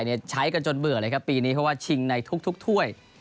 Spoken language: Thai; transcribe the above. ใช้กันจนเบื่อเลยครับปีนี้เพราะว่าชิงในทุกถ้วย